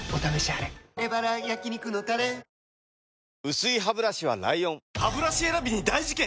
薄いハブラシは ＬＩＯＮハブラシ選びに大事件！